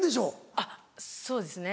あっそうですね。